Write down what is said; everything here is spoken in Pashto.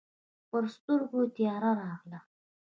پر سترګو يې تياره راغله.